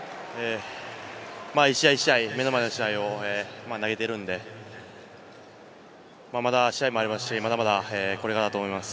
１試合１試合、目の前の試合を投げているんで、まだ試合もありますし、まだまだこれからだなと思います。